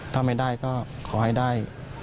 ถ้าไม่ได้ก็ขอให้ได้